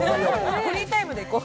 フリータイムで行こう。